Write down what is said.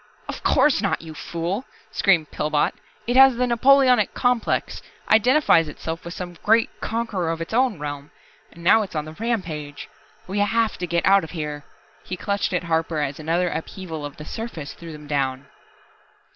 "Of course not, you fool!" screamed Pillbot. "It has the Napoleonic complex, identifies itself with some great conqueror of its own realm. And now it's on the rampage. We have to get out of here " He clutched at Harper as another upheaval of the surface threw them down.